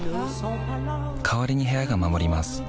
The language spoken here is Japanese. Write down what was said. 代わりに部屋が守ります